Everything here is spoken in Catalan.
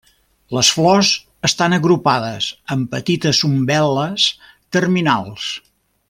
Les flors estan agrupades en petites umbel·les terminals.